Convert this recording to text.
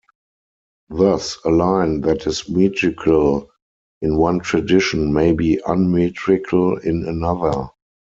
Thus a line that is metrical in one tradition may be unmetrical in another.